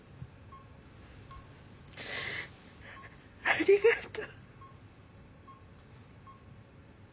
ありがとう。